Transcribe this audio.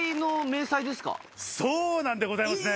そうなんでございますね